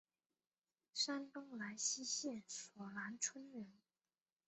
山东莱西县索兰村人。